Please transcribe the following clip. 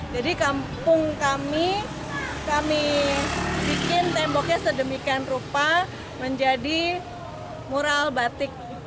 kampung kami kami bikin temboknya sedemikian rupa menjadi mural batik